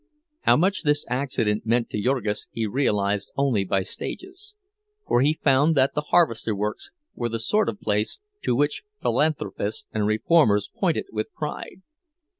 How much this accident meant to Jurgis he realized only by stages; for he found that the harvester works were the sort of place to which philanthropists and reformers pointed with pride.